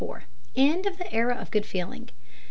End of the Era of Good Feeling.